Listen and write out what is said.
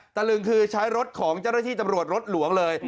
ตะลึงคือใช้รถของเจ้าหน้าที่ตำรวจรถหลวงเลย